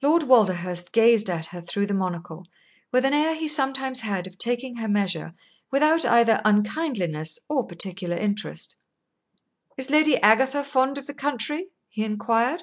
Lord Walderhurst gazed at her through the monocle with an air he sometimes had of taking her measure without either unkindliness or particular interest. "Is Lady Agatha fond of the country?" he inquired.